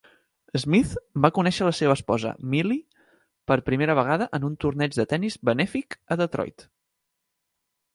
Smith va conèixer la seva esposa, Millie, per primera vegada en un torneig de tennis benèfic a Detroit.